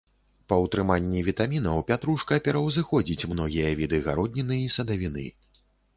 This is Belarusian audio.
Па ўтрыманні вітамінаў пятрушка пераўзыходзіць многія віды гародніны і садавіны.